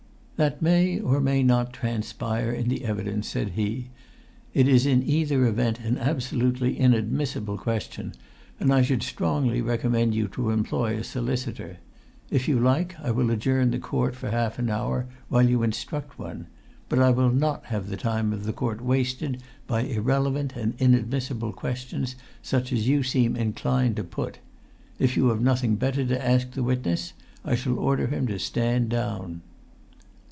"That may or may not transpire in the evidence,"[Pg 153] said he; "it is in either event an absolutely inadmissible question, and I should strongly recommend you to employ a solicitor. If you like I will adjourn the court for half an hour while you instruct one; but I will not have the time of the court wasted by irrelevant and inadmissible questions such as you seem inclined to put. If you have nothing better to ask the witness I shall order him to stand down."